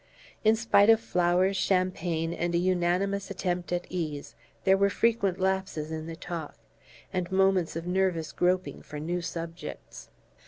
In spite of flowers, champagne and a unanimous attempt at ease, there were frequent lapses in the talk, and moments of nervous groping for new subjects.